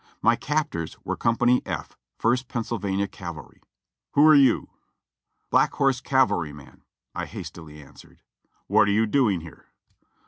]\Iy captors were Company F. First Pennsylvania Cavalry. "Who are you?" "Black Horse cavalryman," I hastily answered. "Wliat are you doing here